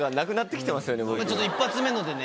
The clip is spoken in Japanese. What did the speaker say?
ちょっと一発目のでね。